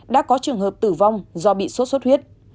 đã có trường hợp tử vong do bị sốt xuất huyết